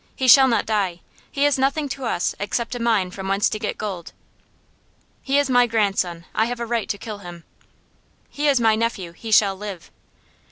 "He shall not die. He is nothing to us except a mine from whence to get gold." "He is my grandson. I have a right to kill him." "He is my nephew. He shall live."